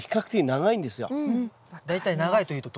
大体長いというと？